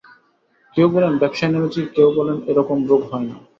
কেউ বলেন ব্যবসায় নেমেছি, কেউ বলেন এ রকম রোগ হয় না।